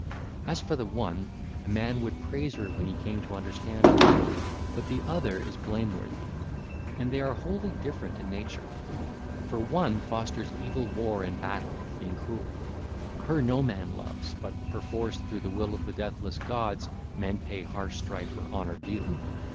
As for the one, a man would praise her when he came to understand her; but the other is blameworthy: and they are wholly different in nature. For one fosters evil war and battle, being cruel: her no man loves; but perforce, through the will of the deathless gods, men pay harsh Strife her honour due.